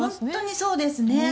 本当にそうですね。